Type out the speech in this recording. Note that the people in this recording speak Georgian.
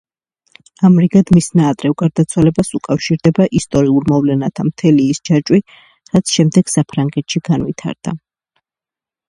ამრიგად, მის ნაადრევ გარდაცვალებას უკავშირდება ისტორიულ მოვლენათა მთელი ის ჯაჭვი, რაც შემდეგ საფრანგეთში განვითარდა.